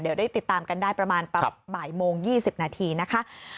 เดี๋ยวได้ติดตามกันได้ประมาณบ่ายโมง๒๐นาทีนะคะ